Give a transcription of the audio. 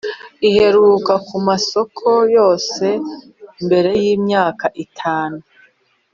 iheruka ku masoko yose mbere y’Imyaka itanu